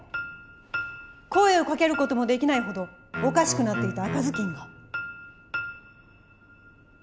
声をかける事もできないほどおかしくなっていた赤ずきんが？